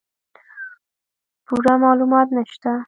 پوره معلومات نشته